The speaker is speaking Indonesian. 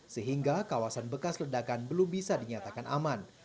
sehingga kawasan bekas ledakan belum bisa dinyatakan aman